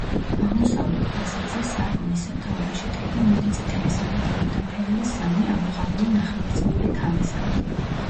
აღმოსავლეთ ფასადზე სარკმლის სათაური შედგება მუქი წითელი საღებავით დაფერილი სამი ამოღარული ნახევარწრიული თაღისგან.